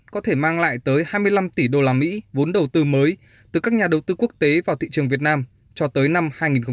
có thể mang lại tới hai mươi năm tỷ usd vốn đầu tư mới từ các nhà đầu tư quốc tế vào thị trường việt nam cho tới năm hai nghìn hai mươi